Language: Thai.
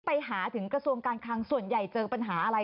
ไปหาถึงกระทรวงการคังส่วนใหญ่เจอปัญหาอะไร